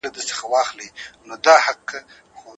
هغه کس چې جوړښت او قواعد تصدیقوي، د بلې تجربې حق لري.